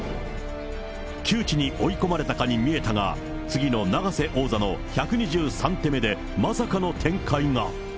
窮地に追い込まれたかに見えたが、次の永瀬王座の１２３手目で、まさかの展開が。